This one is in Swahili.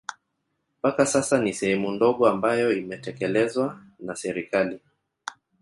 Mpaka sasa ni sehemu ndogo ambayo imetekelezwa na serikali